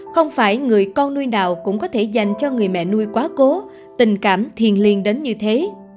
không phải người con nuôi nào cũng có thể dành cho người mẹ nuôi quá cố tình cảm thiền liên đến như thế